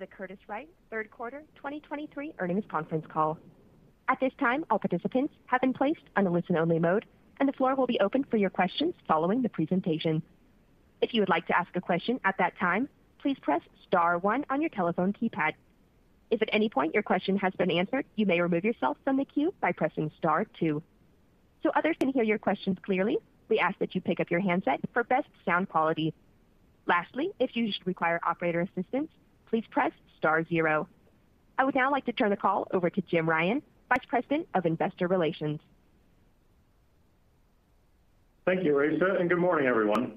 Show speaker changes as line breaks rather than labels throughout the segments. Welcome to the Curtiss-Wright third quarter 2023 earnings conference call. At this time, all participants have been placed on a listen-only mode, and the floor will be open for your questions following the presentation. If you would like to ask a question at that time, please press star one on your telephone keypad. If at any point your question has been answered, you may remove yourself from the queue by pressing star two. So others can hear your questions clearly, we ask that you pick up your handset for best sound quality. Lastly, if you require operator assistance, please press star zero. I would now like to turn the call over to Jim Ryan, Vice President of Investor Relations.
Thank you, Lisa, and good morning, everyone.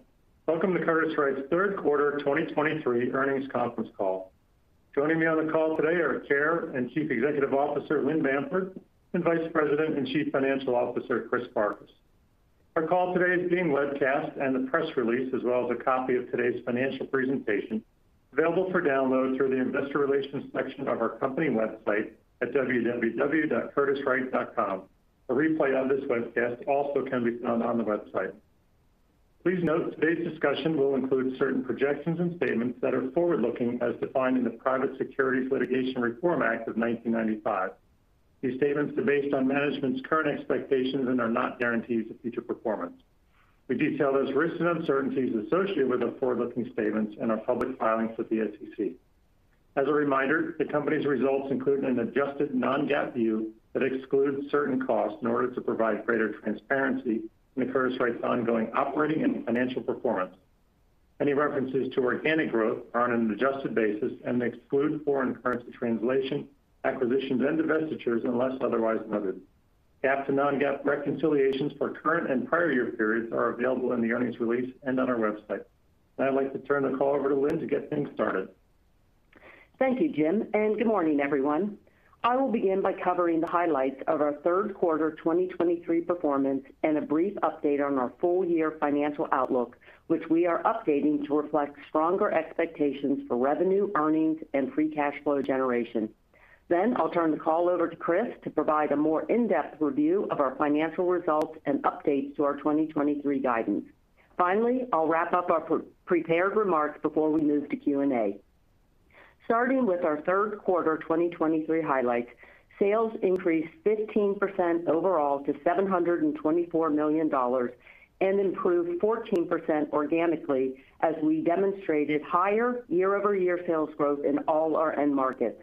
Welcome to Curtiss-Wright's third quarter 2023 earnings conference call. Joining me on the call today are Chair and Chief Executive Officer, Lynn Bamford, and Vice President and Chief Financial Officer, Chris Farkas. Our call today is being webcast and the press release, as well as a copy of today's financial presentation, available for download through the investor relations section of our company website at www.curtisswright.com. A replay of this webcast also can be found on the website. Please note today's discussion will include certain projections and statements that are forward-looking, as defined in the Private Securities Litigation Reform Act of 1995. These statements are based on management's current expectations and are not guarantees of future performance. We detail those risks and uncertainties associated with the forward-looking statements in our public filings with the SEC. As a reminder, the company's results include an adjusted non-GAAP view that excludes certain costs in order to provide greater transparency in the Curtiss-Wright's ongoing operating and financial performance. Any references to organic growth are on an adjusted basis and exclude foreign currency translation, acquisitions, and divestitures, unless otherwise noted. GAAP to non-GAAP reconciliations for current and prior year periods are available in the earnings release and on our website. Now I'd like to turn the call over to Lynn to get things started.
Thank you, Jim, and good morning, everyone. I will begin by covering the highlights of our third quarter 2023 performance and a brief update on our full year financial outlook, which we are updating to reflect stronger expectations for revenue, earnings, and free cash flow generation. Then I'll turn the call over to Chris to provide a more in-depth review of our financial results and updates to our 2023 guidance. Finally, I'll wrap up our pre-prepared remarks before we move to Q&A. Starting with our third quarter 2023 highlights, sales increased 15% overall to $724 million, and improved 14% organically as we demonstrated higher year-over-year sales growth in all our end markets.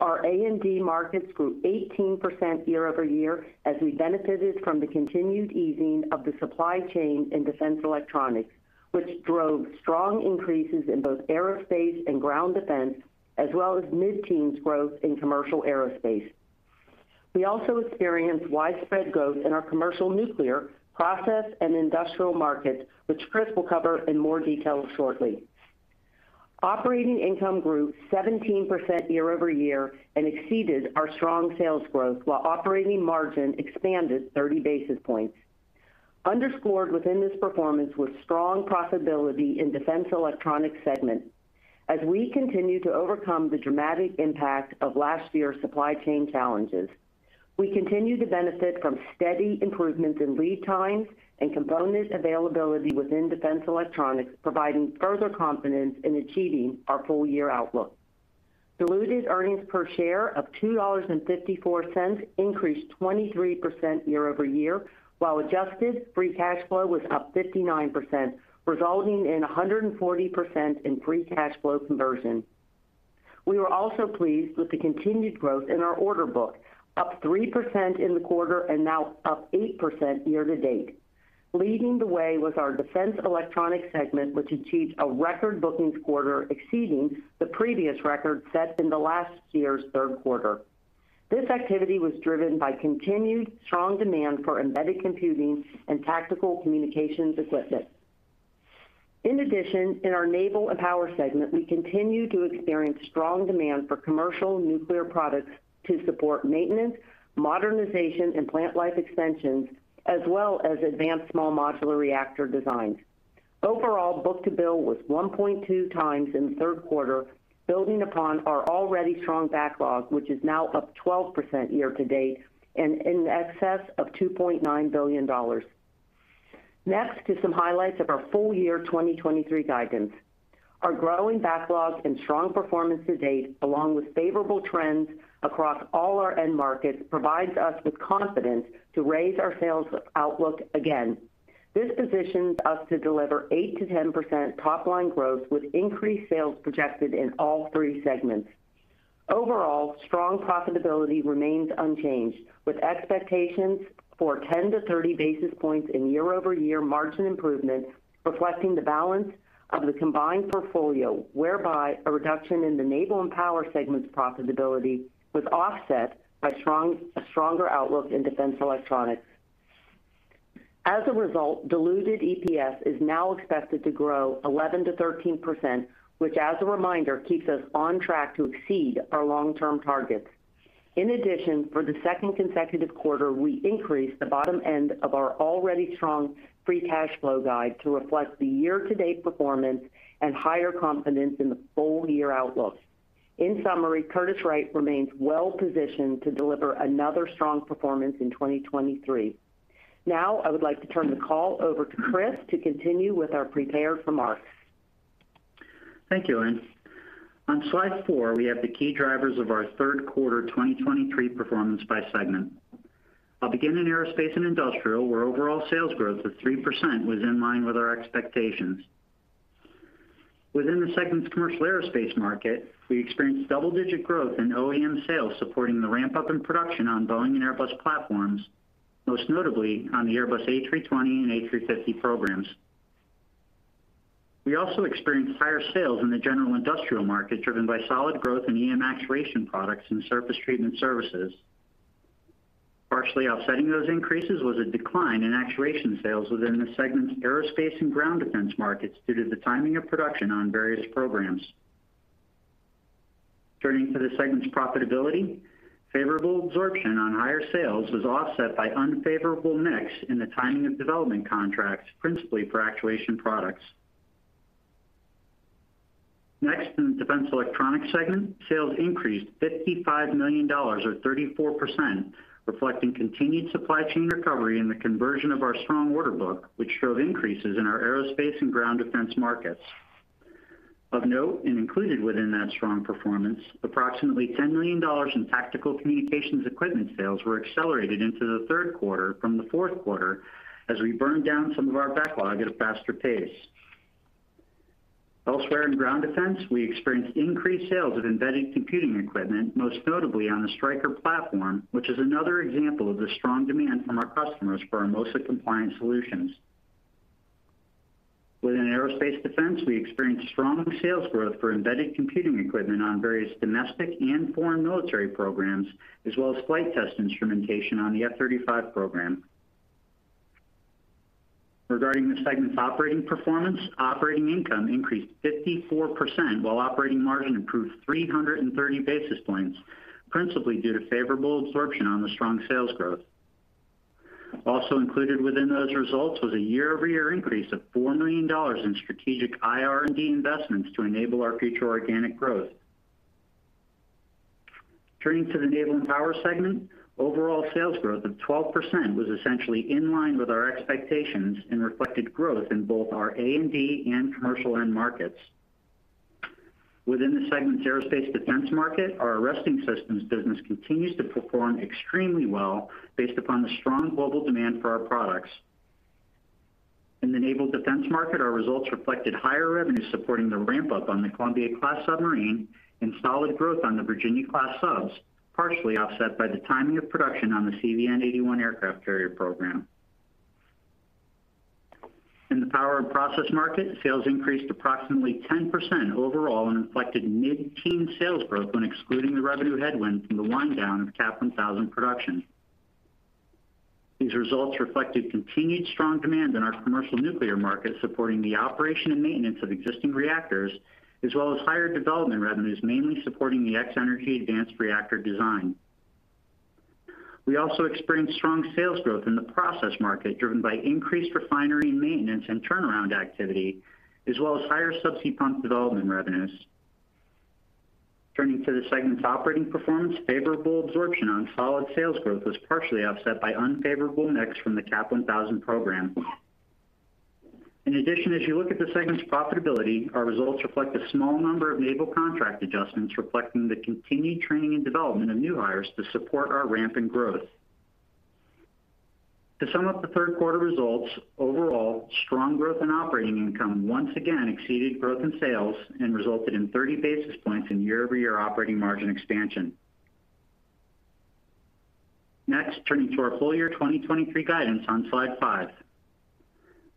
Our A&D markets grew 18% year-over-year, as we benefited from the continued easing of the supply chain in Defense Electronics, which drove strong increases in both aerospace and ground defense, as well as mid-teens growth in commercial aerospace. We also experienced widespread growth in our commercial nuclear, process and industrial markets, which Chris will cover in more detail shortly. Operating income grew 17% year-over-year and exceeded our strong sales growth, while operating margin expanded 30 basis points. Underscored within this performance was strong profitability in Defense Electronics segment. As we continue to overcome the dramatic impact of last year's supply chain challenges, we continue to benefit from steady improvements in lead times and component availability within Defense Electronics, providing further confidence in achieving our full year outlook. Diluted earnings per share of $2.54 increased 23% year-over-year, while adjusted free cash flow was up 59%, resulting in 140% in free cash flow conversion. We were also pleased with the continued growth in our order book, up 3% in the quarter and now up 8% year-to-date. Leading the way was our Defense Electronics segment, which achieved a record bookings quarter exceeding the previous record set in the last year's third quarter. This activity was driven by continued strong demand for embedded computing and tactical communications equipment. In addition, in our Naval and Power segment, we continue to experience strong demand for commercial nuclear products to support maintenance, modernization, and plant life extensions, as well as advanced small modular reactor designs. Overall, book-to-bill was 1.2 times in the third quarter, building upon our already strong backlog, which is now up 12% year-to-date and in excess of $2.9 billion. Next to some highlights of our full-year 2023 guidance. Our growing backlogs and strong performance to date, along with favorable trends across all our end markets, provides us with confidence to raise our sales outlook again. This positions us to deliver 8%-10% top-line growth with increased sales projected in all three segments. Overall, strong profitability remains unchanged, with expectations for 10-30 basis points in year-over-year margin improvement, reflecting the balance of the combined portfolio, whereby a reduction in the Naval and Power segment's profitability was offset by a stronger outlook in Defense Electronics. As a result, diluted EPS is now expected to grow 11%-13%, which, as a reminder, keeps us on track to exceed our long-term targets. In addition, for the second consecutive quarter, we increased the bottom end of our already strong free cash flow guide to reflect the year-to-date performance and higher confidence in the full year outlook. In summary, Curtiss-Wright remains well positioned to deliver another strong performance in 2023. Now, I would like to turn the call over to Chris to continue with our prepared remarks.
Thank you, Lynn. On slide 4, we have the key drivers of our third quarter 2023 performance by segment. I'll begin in Aerospace and Industrial, where overall sales growth of 3% was in line with our expectations. Within the segment's commercial aerospace market, we experienced double-digit growth in OEM sales, supporting the ramp-up in production on Boeing and Airbus platforms, most notably on the Airbus A320 and A350 programs. We also experienced higher sales in the general industrial market, driven by solid growth in EM actuation products and surface treatment services. Partially offsetting those increases was a decline in actuation sales within the segment's aerospace and ground defense markets, due to the timing of production on various programs. Turning to the segment's profitability, favorable absorption on higher sales was offset by unfavorable mix in the timing of development contracts, principally for actuation products. Next, in the Defense Electronics segment, sales increased $55 million, or 34%, reflecting continued supply chain recovery and the conversion of our strong order book, which showed increases in our aerospace and ground defense markets. Of note, and included within that strong performance, approximately $10 million in tactical communications equipment sales were accelerated into the third quarter from the fourth quarter, as we burned down some of our backlog at a faster pace. Elsewhere in ground defense, we experienced increased sales of embedded computing equipment, most notably on the Stryker platform, which is another example of the strong demand from our customers for our MOSA-compliant solutions. Within Aerospace Defense, we experienced strong sales growth for embedded computing equipment on various domestic and foreign military programs, as well as flight test instrumentation on the F-35 program. Regarding the segment's operating performance, operating income increased 54%, while operating margin improved 330 basis points, principally due to favorable absorption on the strong sales growth. Also included within those results was a year-over-year increase of $4 million in strategic IR&D investments to enable our future organic growth. Turning to the Naval and Power segment, overall sales growth of 12% was essentially in line with our expectations and reflected growth in both our A&D and commercial end markets. Within the segment's aerospace defense market, our arresting systems business continues to perform extremely well based upon the strong global demand for our products. In the naval defense market, our results reflected higher revenues supporting the ramp-up on the Columbia-class submarine and solid growth on the Virginia-class subs, partially offset by the timing of production on the CVN-81 aircraft carrier program. In the power and process market, sales increased approximately 10% overall and reflected mid-teen sales growth when excluding the revenue headwind from the wind down of CAP1000 production. These results reflected continued strong demand in our commercial nuclear market, supporting the operation and maintenance of existing reactors, as well as higher development revenues, mainly supporting the X-energy advanced reactor design. We also experienced strong sales growth in the process market, driven by increased refinery maintenance and turnaround activity, as well as higher subsea pump development revenues. Turning to the segment's operating performance, favorable absorption on solid sales growth was partially offset by unfavorable mix from the CAP1000 program. In addition, as you look at the segment's profitability, our results reflect a small number of naval contract adjustments, reflecting the continued training and development of new hires to support our ramp in growth. To sum up the third quarter results, overall, strong growth in operating income once again exceeded growth in sales and resulted in 30 basis points in year-over-year operating margin expansion. Next, turning to our full-year 2023 guidance on slide 5.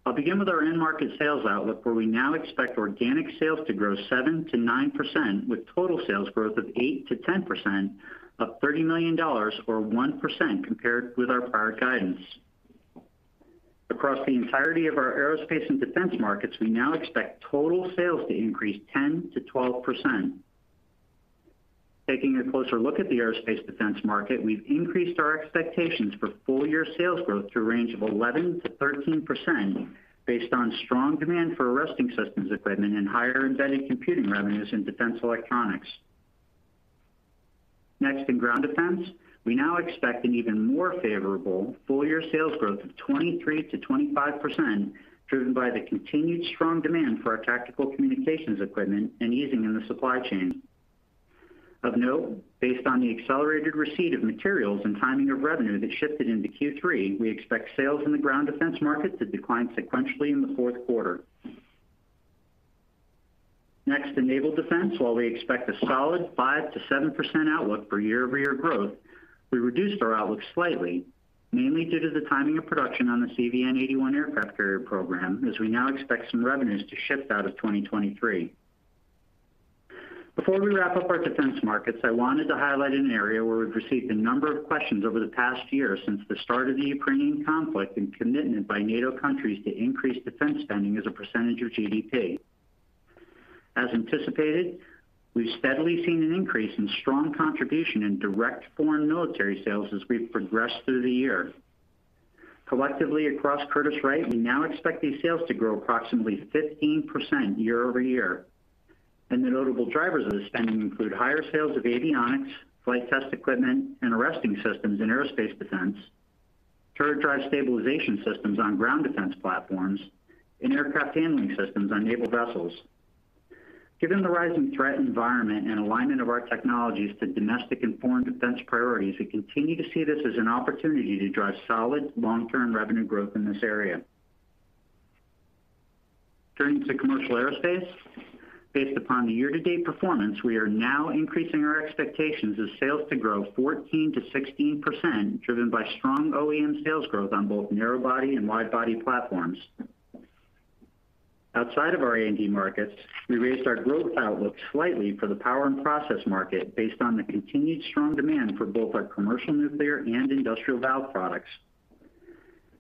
I'll begin with our end market sales outlook, where we now expect organic sales to grow 7%-9%, with total sales growth of 8%-10%, up $30 million or 1% compared with our prior guidance. Across the entirety of our aerospace and defense markets, we now expect total sales to increase 10%-12%. Taking a closer look at the aerospace defense market, we've increased our expectations for full-year sales growth to a range of 11%-13% based on strong demand for arresting systems equipment and higher embedded computing revenues in Defense Electronics. Next, in ground defense, we now expect an even more favorable full-year sales growth of 23%-25%, driven by the continued strong demand for our tactical communications equipment and easing in the supply chain. Of note, based on the accelerated receipt of materials and timing of revenue that shifted into Q3, we expect sales in the ground defense market to decline sequentially in the fourth quarter. Next, in naval defense, while we expect a solid 5%-7% outlook for year-over-year growth, we reduced our outlook slightly, mainly due to the timing of production on the CVN-81 aircraft carrier program, as we now expect some revenues to shift out of 2023. Before we wrap up our defense markets, I wanted to highlight an area where we've received a number of questions over the past year since the start of the Ukrainian conflict and commitment by NATO countries to increase defense spending as a percentage of GDP. As anticipated, we've steadily seen an increase in strong contribution in direct Foreign Military Sales as we've progressed through the year. Collectively, across Curtiss-Wright, we now expect these sales to grow approximately 15% year-over-year. And the notable drivers of the spending include higher sales of avionics, flight test equipment, and arresting systems in aerospace defense, turret drive stabilization systems on ground defense platforms, and aircraft handling systems on naval vessels. Given the rising threat environment and alignment of our technologies to domestic and foreign defense priorities, we continue to see this as an opportunity to drive solid long-term revenue growth in this area. Turning to commercial aerospace. Based upon the year-to-date performance, we are now increasing our expectations of sales to grow 14%-16%, driven by strong OEM sales growth on both narrow body and wide body platforms. Outside of our A&D markets, we raised our growth outlook slightly for the power and process market based on the continued strong demand for both our commercial nuclear and industrial valve products.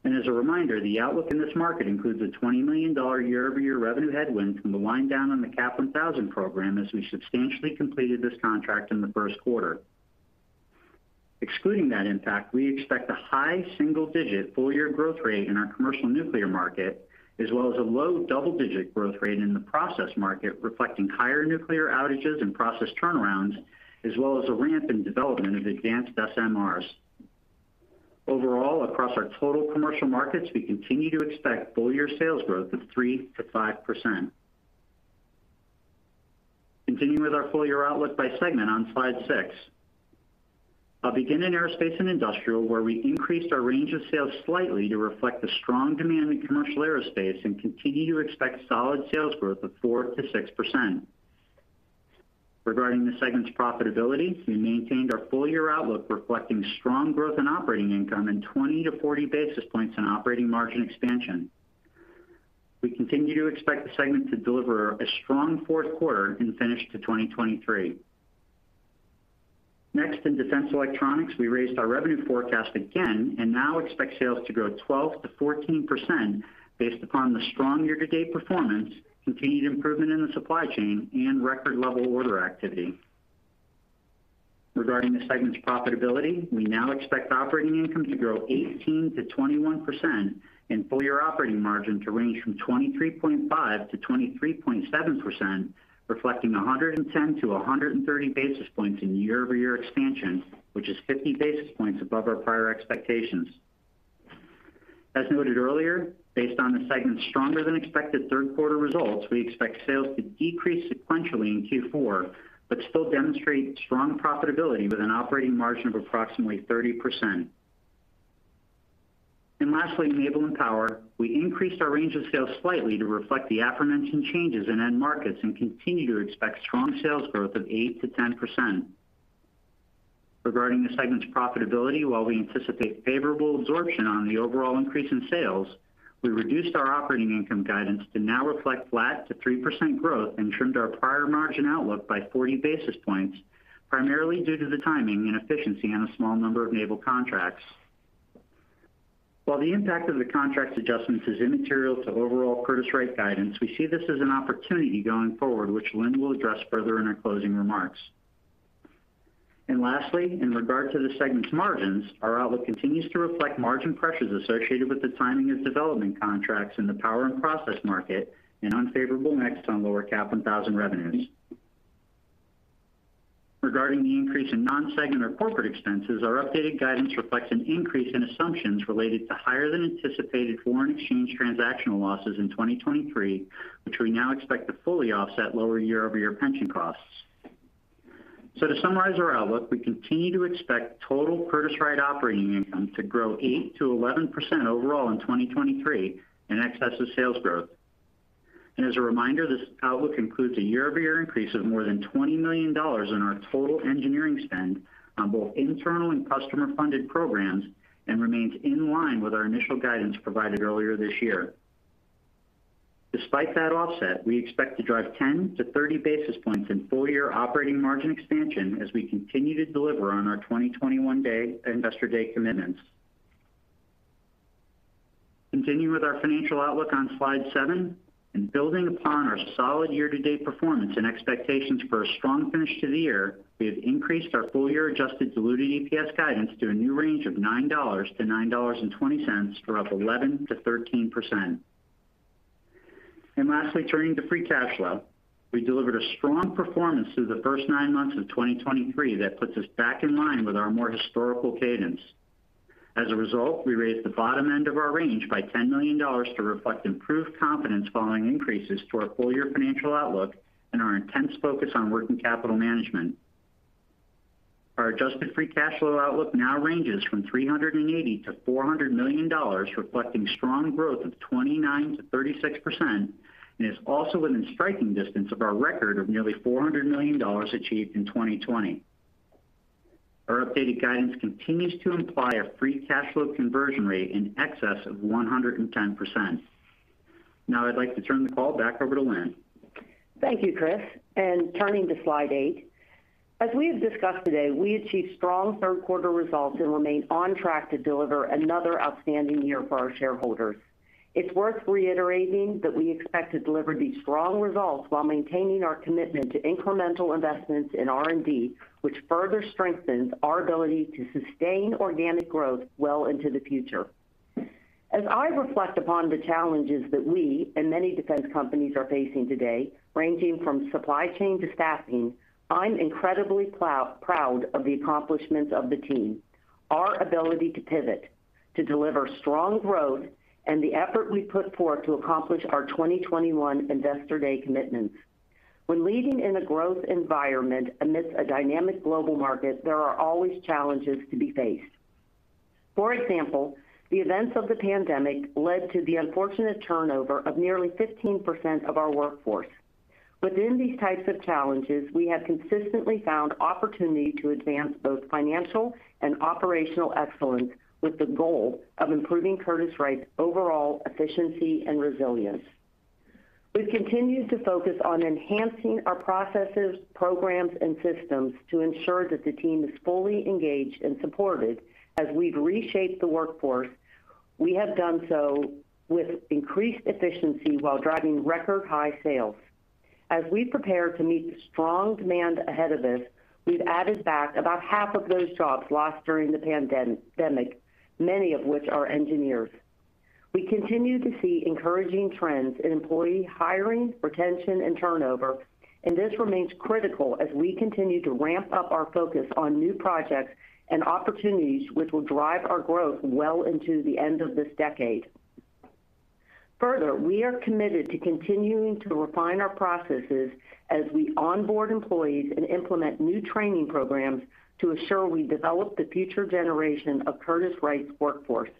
As a reminder, the outlook in this market includes a $20 million year-over-year revenue headwind from the wind down on the CAP1000 program, as we substantially completed this contract in the first quarter. Excluding that impact, we expect a high single-digit full year growth rate in our commercial nuclear market, as well as a low double-digit growth rate in the process market, reflecting higher nuclear outages and process turnarounds, as well as a ramp in development of advanced SMRs. Overall, across our total commercial markets, we continue to expect full year sales growth of 3%-5%. Continuing with our full year outlook by segment on slide 6. I'll begin in aerospace and industrial, where we increased our range of sales slightly to reflect the strong demand in commercial aerospace and continue to expect solid sales growth of 4%-6%. Regarding the segment's profitability, we maintained our full year outlook, reflecting strong growth in operating income and 20-40 basis points on operating margin expansion. We continue to expect the segment to deliver a strong fourth quarter and finish to 2023. Next, in Defense Electronics, we raised our revenue forecast again and now expect sales to grow 12%-14% based upon the strong year-to-date performance, continued improvement in the supply chain, and record level order activity. Regarding the segment's profitability, we now expect operating income to grow 18%-21% and full year operating margin to range from 23.5%-23.7%, reflecting 110-130 basis points in year-over-year expansion, which is 50 basis points above our prior expectations. As noted earlier, based on the segment's stronger than expected third quarter results, we expect sales to decrease sequentially in Q4, but still demonstrate strong profitability with an operating margin of approximately 30%. And lastly, in naval and power, we increased our range of sales slightly to reflect the aforementioned changes in end markets and continue to expect strong sales growth of 8%-10%. Regarding the segment's profitability, while we anticipate favorable absorption on the overall increase in sales, we reduced our operating income guidance to now reflect flat to 3% growth and trimmed our prior margin outlook by 40 basis points, primarily due to the timing and efficiency on a small number of naval contracts. While the impact of the contract adjustments is immaterial to overall Curtiss-Wright guidance, we see this as an opportunity going forward, which Lynn will address further in our closing remarks. Lastly, in regard to the segment's margins, our outlook continues to reflect margin pressures associated with the timing of development contracts in the power and process market and unfavorable mix on lower CAP1000 revenues. Regarding the increase in non-segment or corporate expenses, our updated guidance reflects an increase in assumptions related to higher than anticipated foreign exchange transactional losses in 2023, which we now expect to fully offset lower year-over-year pension costs. So to summarize our outlook, we continue to expect total Curtiss-Wright operating income to grow 8%-11% overall in 2023 in excess of sales growth. And as a reminder, this outlook includes a year-over-year increase of more than $20 million in our total engineering spend on both internal and customer-funded programs, and remains in line with our initial guidance provided earlier this year. Despite that offset, we expect to drive 10-30 basis points in full-year operating margin expansion as we continue to deliver on our 2021 Investor Day commitments. Continuing with our financial outlook on slide 7, and building upon our solid year-to-date performance and expectations for a strong finish to the year, we have increased our full-year adjusted diluted EPS guidance to a new range of $9-$9.20, up 11%-13%. Lastly, turning to free cash flow. We delivered a strong performance through the first 9 months of 2023 that puts us back in line with our more historical cadence. As a result, we raised the bottom end of our range by $10 million to reflect improved confidence following increases to our full-year financial outlook and our intense focus on working capital management. Our adjusted free cash flow outlook now ranges from $380 million-$400 million, reflecting strong growth of 29%-36%, and is also within striking distance of our record of nearly $400 million achieved in 2020. Our updated guidance continues to imply a free cash flow conversion rate in excess of 110%. Now I'd like to turn the call back over to Lynn.
Thank you, Chris. Turning to slide 8. As we have discussed today, we achieved strong third quarter results and remain on track to deliver another outstanding year for our shareholders. It's worth reiterating that we expect to deliver these strong results while maintaining our commitment to incremental investments in R&D, which further strengthens our ability to sustain organic growth well into the future.... As I reflect upon the challenges that we and many defense companies are facing today, ranging from supply chain to staffing, I'm incredibly proud, proud of the accomplishments of the team, our ability to pivot, to deliver strong growth, and the effort we put forth to accomplish our 2021 Investor Day commitments. When leading in a growth environment amidst a dynamic global market, there are always challenges to be faced. For example, the events of the pandemic led to the unfortunate turnover of nearly 15% of our workforce. Within these types of challenges, we have consistently found opportunity to advance both financial and operational excellence, with the goal of improving Curtiss-Wright's overall efficiency and resilience. We've continued to focus on enhancing our processes, programs, and systems to ensure that the team is fully engaged and supported. As we've reshaped the workforce, we have done so with increased efficiency while driving record-high sales. As we prepare to meet the strong demand ahead of us, we've added back about half of those jobs lost during the pandemic, many of which are engineers. We continue to see encouraging trends in employee hiring, retention, and turnover, and this remains critical as we continue to ramp up our focus on new projects and opportunities, which will drive our growth well into the end of this decade. Further, we are committed to continuing to refine our processes as we onboard employees and implement new training programs to ensure we develop the future generation of Curtiss-Wright's workforce.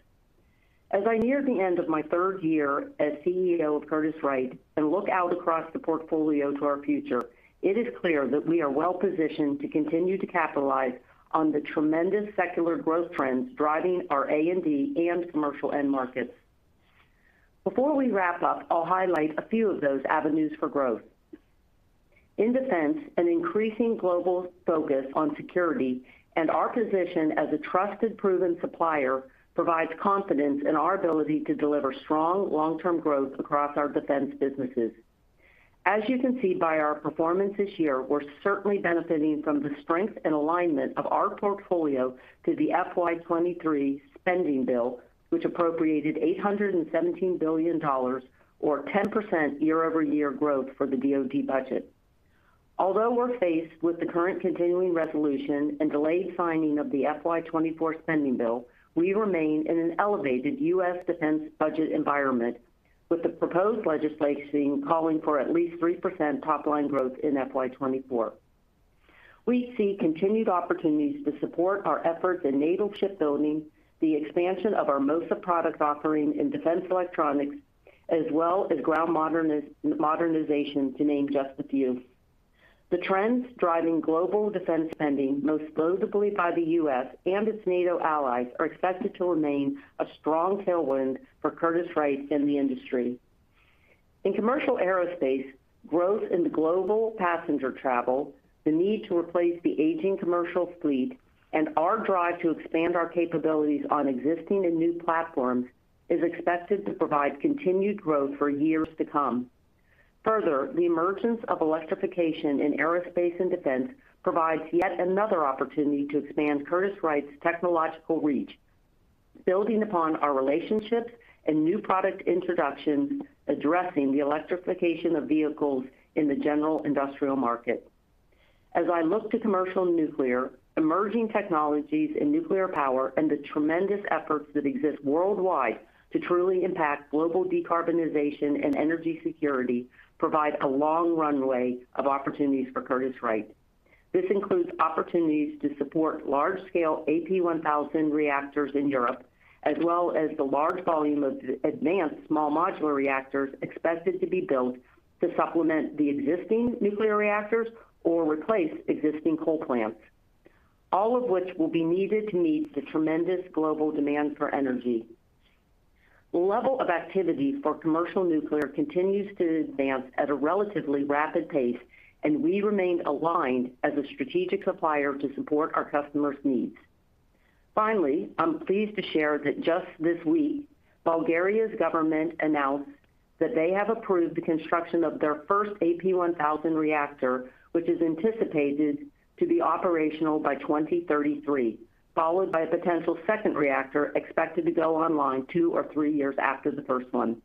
As I near the end of my third year as CEO of Curtiss-Wright and look out across the portfolio to our future, it is clear that we are well-positioned to continue to capitalize on the tremendous secular growth trends driving our A&D and commercial end markets. Before we wrap up, I'll highlight a few of those avenues for growth. In defense, an increasing global focus on security and our position as a trusted, proven supplier provides confidence in our ability to deliver strong, long-term growth across our defense businesses. As you can see by our performance this year, we're certainly benefiting from the strength and alignment of our portfolio to the FY 2023 spending bill, which appropriated $817 billion or 10% year-over-year growth for the DoD budget. Although we're faced with the current continuing resolution and delayed signing of the FY 2024 spending bill, we remain in an elevated U.S. defense budget environment, with the proposed legislation calling for at least 3% top-line growth in FY 2024. We see continued opportunities to support our efforts in naval shipbuilding, the expansion of our MOSA product offering in Defense Electronics, as well as ground modernization, to name just a few. The trends driving global defense spending, most notably by the U.S. and its NATO allies, are expected to remain a strong tailwind for Curtiss-Wright and the industry. In commercial aerospace, growth in global passenger travel, the need to replace the aging commercial fleet, and our drive to expand our capabilities on existing and new platforms is expected to provide continued growth for years to come. Further, the emergence of electrification in aerospace and defense provides yet another opportunity to expand Curtiss-Wright's technological reach, building upon our relationships and new product introductions, addressing the electrification of vehicles in the general industrial market. As I look to commercial nuclear, emerging technologies in nuclear power and the tremendous efforts that exist worldwide to truly impact global decarbonization and energy security provide a long runway of opportunities for Curtiss-Wright. This includes opportunities to support large-scale AP1000 reactors in Europe, as well as the large volume of advanced small modular reactors expected to be built to supplement the existing nuclear reactors or replace existing coal plants, all of which will be needed to meet the tremendous global demand for energy. Level of activity for commercial nuclear continues to advance at a relatively rapid pace, and we remain aligned as a strategic supplier to support our customers' needs. Finally, I'm pleased to share that just this week, Bulgaria's government announced that they have approved the construction of their first AP1000 reactor, which is anticipated to be operational by 2033, followed by a potential second reactor expected to go online 2 or 3 years after the first one.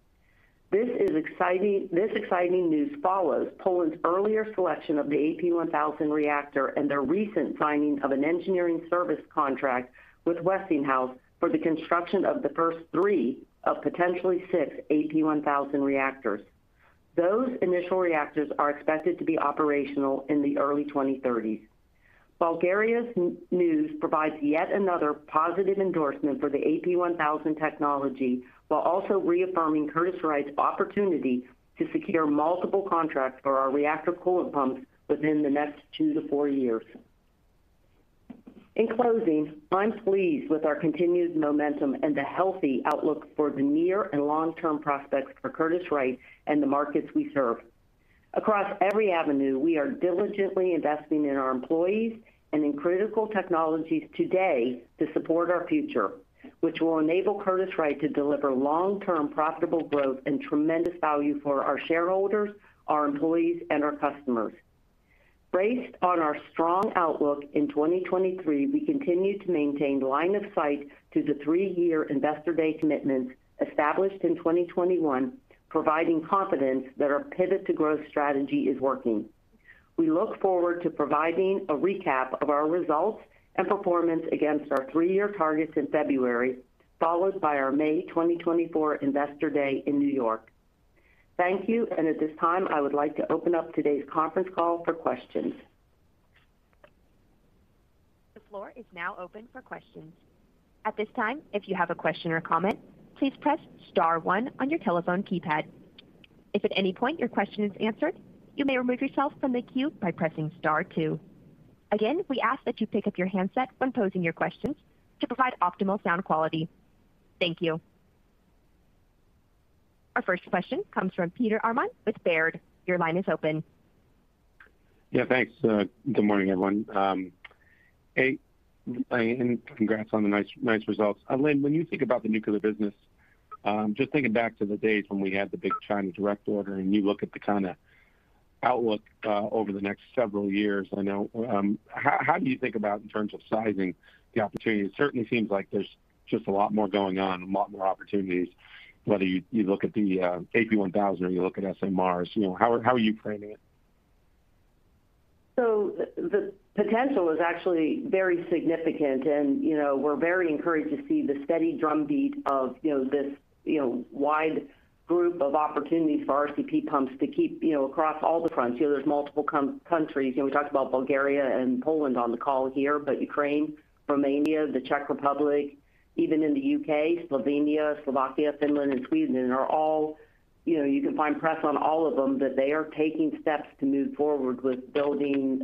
This is exciting news follows Poland's earlier selection of the AP1000 reactor and their recent signing of an engineering service contract with Westinghouse for the construction of the first three of potentially six AP1000 reactors. Those initial reactors are expected to be operational in the early 2030s. Bulgaria's news provides yet another positive endorsement for the AP1000 technology, while also reaffirming Curtiss-Wright's opportunity to secure multiple contracts for our reactor coolant pumps within the next 2-4 years. In closing, I'm pleased with our continued momentum and the healthy outlook for the near- and long-term prospects for Curtiss-Wright and the markets we serve. Across every avenue, we are diligently investing in our employees and in critical technologies today to support our future, which will enable Curtiss-Wright to deliver long-term, profitable growth and tremendous value for our shareholders, our employees, and our customers.... Based on our strong outlook in 2023, we continue to maintain line of sight to the three-year Investor Day commitments established in 2021, providing confidence that our Pivot to Growth strategy is working. We look forward to providing a recap of our results and performance against our three-year targets in February, followed by our May 2024 Investor Day in New York. Thank you, and at this time, I would like to open up today's conference call for questions.
The floor is now open for questions. At this time, if you have a question or comment, please press star one on your telephone keypad. If at any point your question is answered, you may remove yourself from the queue by pressing star two. Again, we ask that you pick up your handset when posing your questions to provide optimal sound quality. Thank you. Our first question comes from Peter Arment with Baird. Your line is open.
Yeah, thanks. Good morning, everyone. Hey, and congrats on the nice, nice results. Lynn, when you think about the nuclear business, just thinking back to the days when we had the big China direct order, and you look at the kind of outlook over the next several years, I know, how, how do you think about in terms of sizing the opportunity? It certainly seems like there's just a lot more going on, a lot more opportunities, whether you, you look at the AP1000 or you look at SMRs, you know, how are, how are you framing it?
So the potential is actually very significant, and, you know, we're very encouraged to see the steady drumbeat of, you know, this, you know, wide group of opportunities for RCP pumps to keep, you know, across all the fronts. You know, there's multiple countries. You know, we talked about Bulgaria and Poland on the call here, but Ukraine, Romania, the Czech Republic, even in the UK, Slovenia, Slovakia, Finland, and Sweden are all, you know, you can find press on all of them, that they are taking steps to move forward with building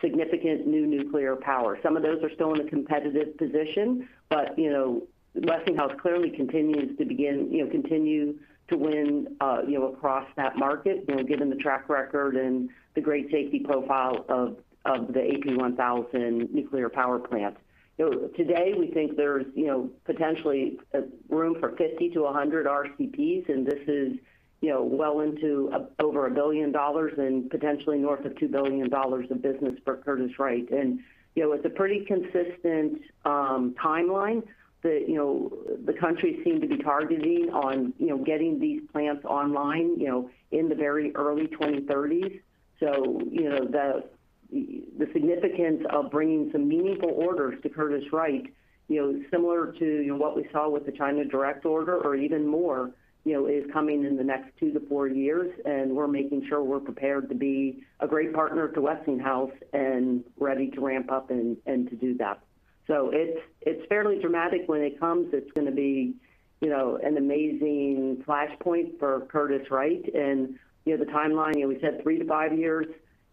significant new nuclear power. Some of those are still in a competitive position, but, you know, Westinghouse clearly continues to begin, you know, continue to win, uh, you know, across that market, you know, given the track record and the great safety profile of the AP1000 nuclear power plant. So today, we think there's, you know, potentially a room for 50-100 RCPs, and this is, you know, well into over $1 billion and potentially north of $2 billion of business for Curtiss-Wright. And, you know, it's a pretty consistent timeline that, you know, the countries seem to be targeting on, you know, getting these plants online, you know, in the very early 2030s. So, you know, the, the significance of bringing some meaningful orders to Curtiss-Wright, you know, similar to, you know, what we saw with the China direct order or even more, you know, is coming in the next 2-4 years, and we're making sure we're prepared to be a great partner to Westinghouse and ready to ramp up and to do that. So it's, it's fairly dramatic when it comes. It's gonna be, you know, an amazing flashpoint for Curtiss-Wright. And, you know, the timeline, you know, we said 3-5 years,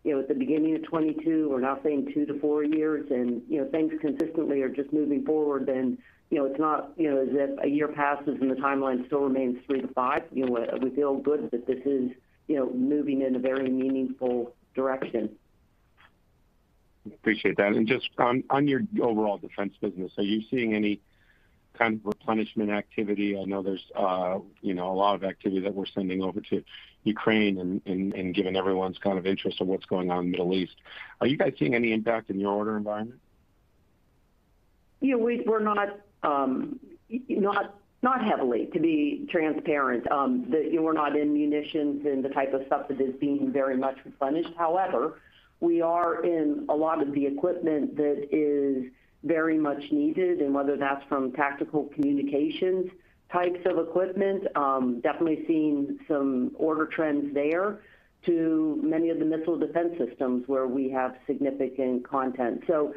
you know, at the beginning of 2022. We're now saying 2-4 years. And, you know, things consistently are just moving forward. And, you know, it's not, you know, as if a year passes and the timeline still remains 3-5. You know, we feel good that this is, you know, moving in a very meaningful direction.
Appreciate that. And just on your overall defense business, are you seeing any kind of replenishment activity? I know there's, you know, a lot of activity that we're sending over to Ukraine and given everyone's kind of interest in what's going on in the Middle East, are you guys seeing any impact in your order environment?
Yeah, we're not heavily, to be transparent, that we're not in munitions and the type of stuff that is being very much replenished. However, we are in a lot of the equipment that is very much needed, and whether that's from tactical communications types of equipment, definitely seeing some order trends there to many of the missile defense systems where we have significant content. So,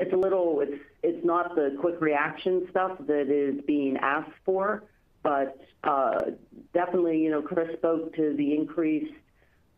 it's a little - it's not the quick reaction stuff that is being asked for, but definitely, you know, Chris spoke to the increased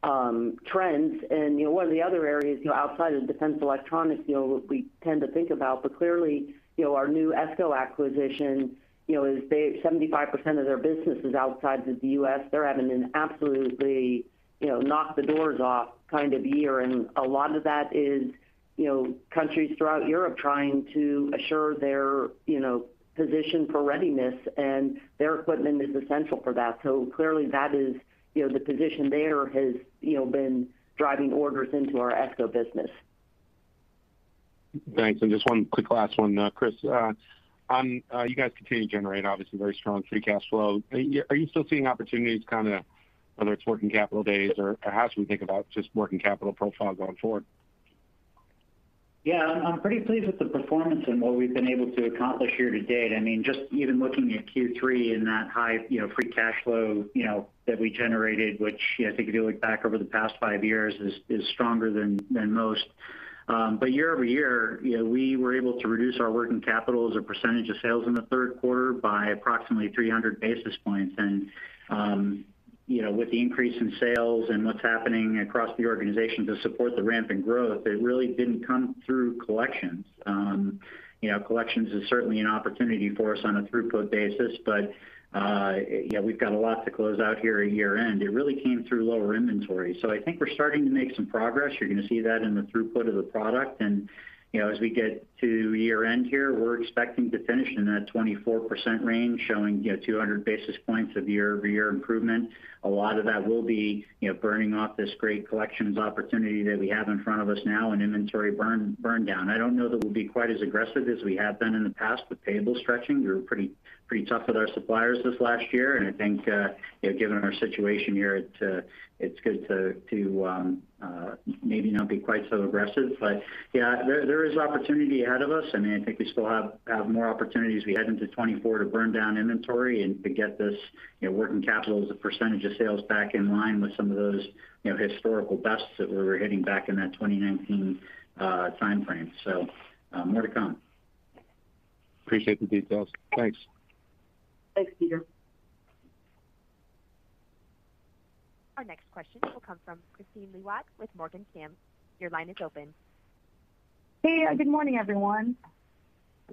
trends. And, you know, one of the other areas, you know, outside of Defense Electronics, you know, we tend to think about, but clearly, you know, our new ESCO acquisition, you know, is they 75% of their business is outside of the U.S. They're having an absolutely, you know, knock the doors off kind of year. And a lot of that is, you know, countries throughout Europe trying to assure their, you know, position for readiness, and their equipment is essential for that. So clearly, that is, you know, the position there has, you know, been driving orders into our ESCO business.
Thanks. Just one quick last one, Chris. On, you guys continue to generate obviously very strong free cash flow. Are you, are you still seeing opportunities kind of, whether it's working capital days or how should we think about just working capital profile going forward?
Yeah, I'm pretty pleased with the performance and what we've been able to accomplish here to date. I mean, just even looking at Q3 and that high, you know, free cash flow, you know, that we generated, which I think if you look back over the past five years, is stronger than most. But year-over-year, you know, we were able to reduce our working capital as a percentage of sales in the third quarter by approximately 300 basis points. You know, with the increase in sales and what's happening across the organization to support the rampant growth, it really didn't come through collections. You know, collections is certainly an opportunity for us on a throughput basis, but yeah, we've got a lot to close out here at year-end. It really came through lower inventory. So I think we're starting to make some progress. You're going to see that in the throughput of the product. And, you know, as we get to year-end here, we're expecting to finish in that 24% range, showing, you know, 200 basis points of year-over-year improvement. A lot of that will be, you know, burning off this great collections opportunity that we have in front of us now, and inventory burn, burn down. I don't know that we'll be quite as aggressive as we have been in the past with payable stretching. We were pretty, pretty tough with our suppliers this last year, and I think, you know, given our situation here, it, it's good to, to, maybe not be quite so aggressive. But yeah, there, there is opportunity ahead of us. I mean, I think we still have more opportunity as we head into 2024 to burn down inventory and to get this, you know, working capital as a percentage of sales back in line with some of those, you know, historical bests that we were hitting back in that 2019 timeframe. So, more to come.
Appreciate the details. Thanks.
Thanks, Peter.
Our next question will come from Kristine Liwag with Morgan Stanley. Your line is open.
Hey, good morning, everyone.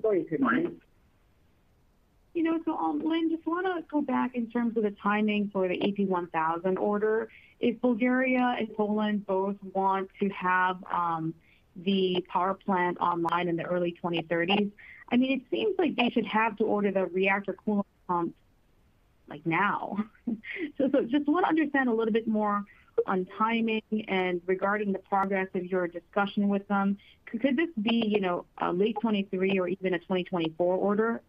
Good morning.
You know, so, Lynn, just want to go back in terms of the timing for the AP1000 order. If Bulgaria and Poland both want to have the power plant online in the early 2030s, I mean, it seems like they should have to order the reactor coolant pumps, like, now. So, just want to understand a little bit more on timing and regarding the progress of your discussion with them. Could this be, you know, a late 2023 or even a 2024 order?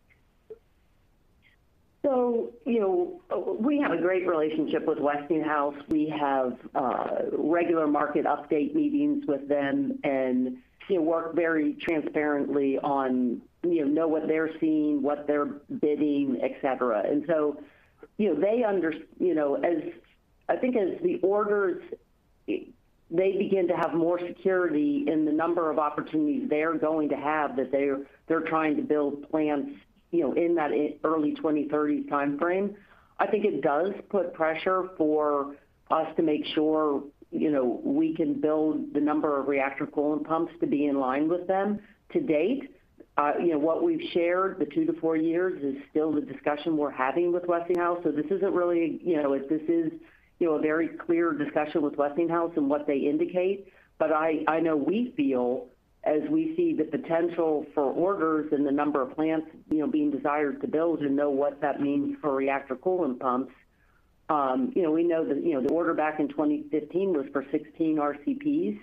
So, you know, we have a great relationship with Westinghouse. We have regular market update meetings with them and work very transparently on, you know, what they're seeing, what they're bidding, etc. And so, you know, I think as the orders they begin to have more security in the number of opportunities they're going to have, that they're trying to build plants, you know, in that early 2030s timeframe. I think it does put pressure for us to make sure, you know, we can build the number of reactor coolant pumps to be in line with them. To date, you know, what we've shared, the 2-4 years, is still the discussion we're having with Westinghouse. So this isn't really, you know, this is, you know, a very clear discussion with Westinghouse and what they indicate. But I, I know we feel as we see the potential for orders and the number of plants, you know, being desired to build and know what that means for reactor coolant pumps, you know, we know that, you know, the order back in 2015 was for 16 RCPs.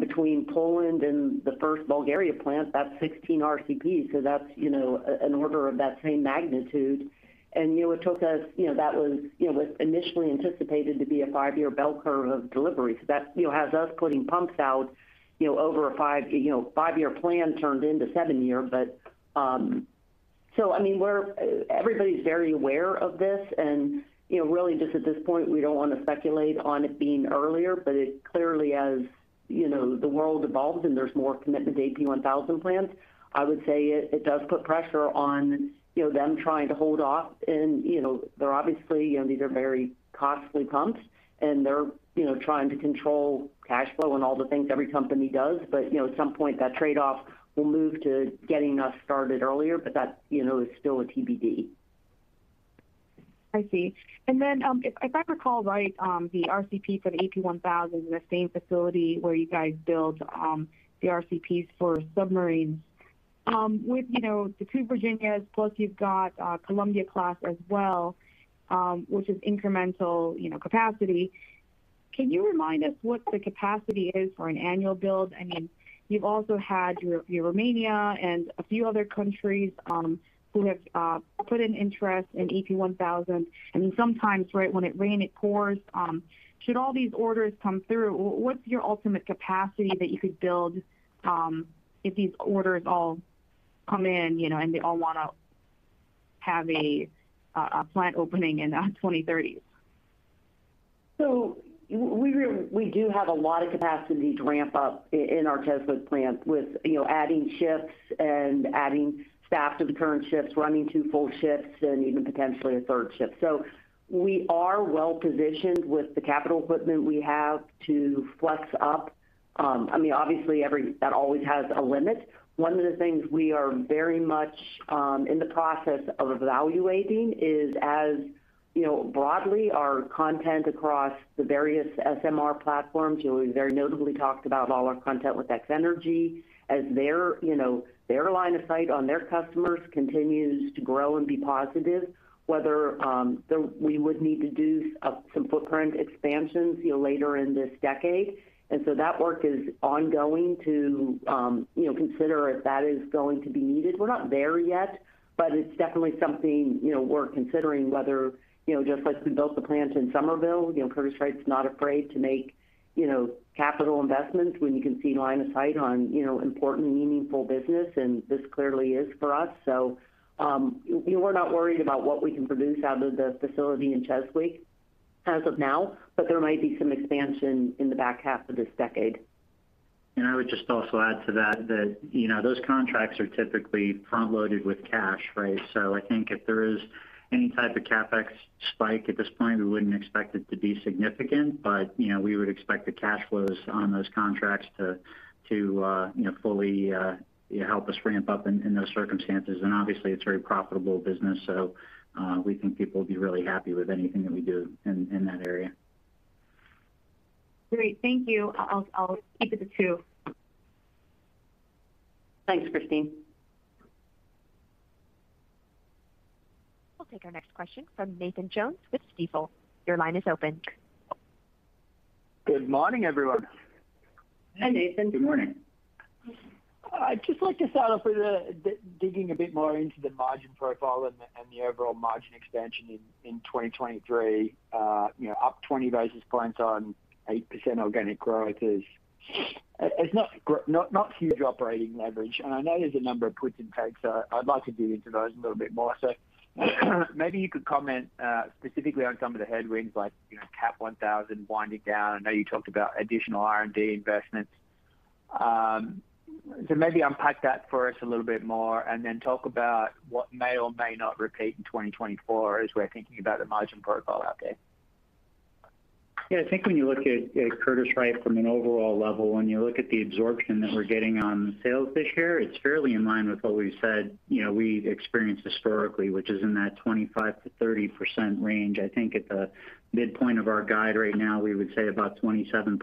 Between Poland and the first Bulgaria plant, that's 16 RCPs, so that's, you know, an order of that same magnitude. And, you know, it took us, you know, that was, you know, was initially anticipated to be a 5-year bell curve of delivery. So that, you know, has us putting pumps out, you know, over a 5, you know, 5-year plan turned into 7 year. But, so I mean, we're everybody's very aware of this, and, you know, really just at this point, we don't want to speculate on it being earlier, but it clearly as, you know, the world evolves and there's more commitment to AP1000 plants, I would say it, it does put pressure on, you know, them trying to hold off. And, you know, they're obviously, you know, these are very costly pumps, and they're, you know, trying to control cash flow and all the things every company does. But, you know, at some point, that trade-off will move to getting us started earlier, but that, you know, is still a TBD.
I see. Then, if I recall right, the RCP for the AP1000 is the same facility where you guys build the RCPs for submarines. With, you know, the two Virginias, plus you've got Columbia-class as well, which is incremental, you know, capacity. Can you remind us what the capacity is for an annual build? I mean, you've also had your Romania and a few other countries who have put an interest in AP1000. I mean, sometimes, right, when it rains, it pours. Should all these orders come through, what's your ultimate capacity that you could build if these orders all come in, you know, and they all want to have a plant opening in the 2030s?
So we do have a lot of capacity to ramp up in our Chesapeake plant with, you know, adding shifts and adding staff to the current shifts, running two full shifts, and even potentially a third shift. So we are well-positioned with the capital equipment we have to flex up. I mean, obviously, everything that always has a limit. One of the things we are very much in the process of evaluating is, as you know, broadly, our content across the various SMR platforms. You know, we very notably talked about all our content with X-energy, as their, you know, their line of sight on their customers continues to grow and be positive, whether we would need to do some footprint expansions, you know, later in this decade. And so that work is ongoing to, you know, consider if that is going to be needed. We're not there yet, but it's definitely something, you know, we're considering whether, you know, just like we built the plant in Somerville, you know, Curtiss-Wright's not afraid to make, you know, capital investments when you can see line of sight on, you know, important and meaningful business, and this clearly is for us. So, we're not worried about what we can produce out of the facility in Chesapeake as of now, but there might be some expansion in the back half of this decade....
I would just also add to that, you know, those contracts are typically front-loaded with cash, right? So I think if there is any type of CapEx spike at this point, we wouldn't expect it to be significant, but, you know, we would expect the cash flows on those contracts to you know fully help us ramp up in those circumstances. And obviously, it's very profitable business, so we think people will be really happy with anything that we do in that area.
Great. Thank you. I'll keep it to two. Thanks, Christine.
We'll take our next question from Nathan Jones with Stifel. Your line is open.
Good morning, everyone.
Hi, Nathan. Good morning.
I'd just like to start off with digging a bit more into the margin profile and the overall margin expansion in 2023. You know, up 20 basis points on 8% organic growth is, it's not huge operating leverage. And I know there's a number of puts and takes, so I'd like to dig into those a little bit more. So, maybe you could comment specifically on some of the headwinds, like, you know, CAP1000 winding down. I know you talked about additional R&D investments. So maybe unpack that for us a little bit more, and then talk about what may or may not repeat in 2024, as we're thinking about the margin profile out there.
Yeah, I think when you look at, at Curtiss-Wright from an overall level, when you look at the absorption that we're getting on sales this year, it's fairly in line with what we've said, you know, we've experienced historically, which is in that 25%-30% range. I think at the midpoint of our guide right now, we would say about 27%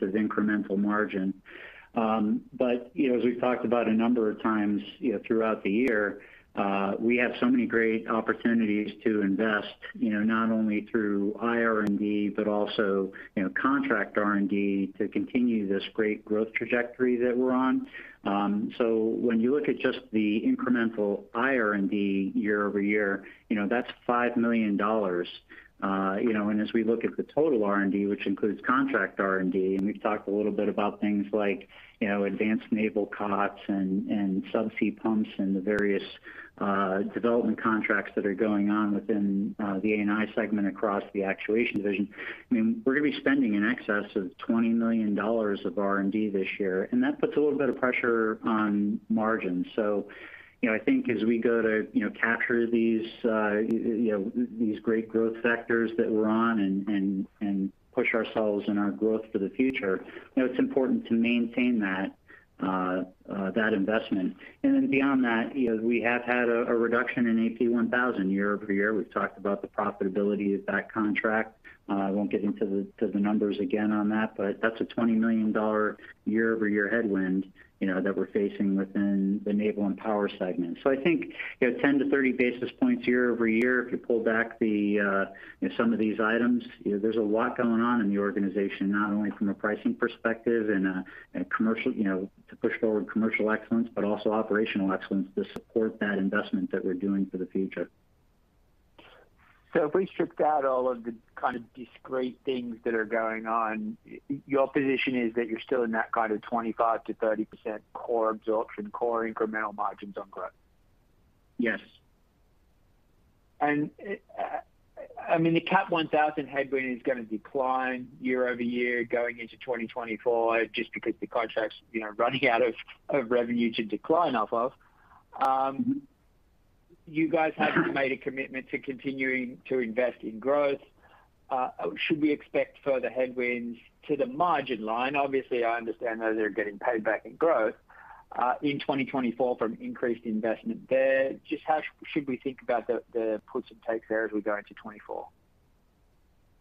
of incremental margin. But, you know, as we've talked about a number of times, you know, throughout the year, we have so many great opportunities to invest, you know, not only through IR&D, but also, you know, contract R&D, to continue this great growth trajectory that we're on. So when you look at just the incremental IR&D year over year, you know, that's $5 million. You know, and as we look at the total R&D, which includes contract R&D, and we've talked a little bit about things like, you know, advanced naval COTS and subsea pumps and the various development contracts that are going on within the A&I segment across the actuation division. I mean, we're going to be spending in excess of $20 million of R&D this year, and that puts a little bit of pressure on margin. So, you know, I think as we go to, you know, capture these, you know, these great growth sectors that we're on and push ourselves and our growth for the future, you know, it's important to maintain that that investment. And then beyond that, you know, we have had a reduction in AP1000 year over year. We've talked about the profitability of that contract. I won't get into the, to the numbers again on that, but that's a $20 million year-over-year headwind, you know, that we're facing within the naval and power segment. So I think, you know, 10-30 basis points year-over-year, if you pull back the, you know, some of these items, you know, there's a lot going on in the organization, not only from a pricing perspective and a, and commercial, you know, to push forward commercial excellence, but also operational excellence to support that investment that we're doing for the future.
So if we stripped out all of the kind of discrete things that are going on, your position is that you're still in that kind of 25%-30% core absorption, core incremental margins on growth?
Yes.
I mean, the CAP1000 headwind is going to decline year-over-year, going into 2024, just because the contract's, you know, running out of revenue to decline off of. You guys haven't made a commitment to continuing to invest in growth. Should we expect further headwinds to the margin line? Obviously, I understand those are getting paid back in growth, in 2024 from increased investment there. Just how should we think about the puts and takes there as we go into 2024?